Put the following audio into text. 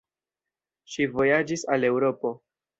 Ŝi vojaĝis al Eŭropo.